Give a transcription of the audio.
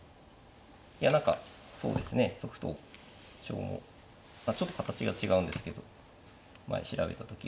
いや何かそうですねソフト上もちょっと形が違うんですけど前調べた時は。